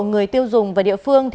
người tiêu dùng và địa phương